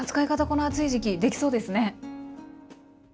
この暑い時期できそうですね。